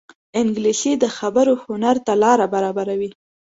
انګلیسي د خبرو هنر ته لاره برابروي